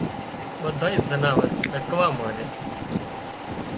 ٻڌانئي زناور ڏڪوا مانڏيا